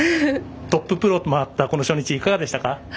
トッププロと回ったこの初日いかがでしたか？